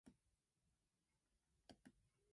Two years later the family returned to London.